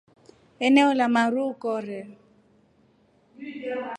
Eneola maru ekora.